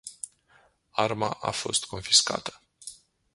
Arma a fost confiscată.